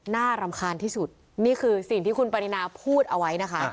รำคาญที่สุดนี่คือสิ่งที่คุณปรินาพูดเอาไว้นะคะ